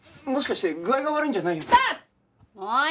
もしかして具合が悪いんじゃないよね？